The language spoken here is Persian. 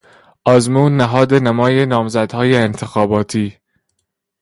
آزمون نهاد نمای نامزدهای انتخاباتی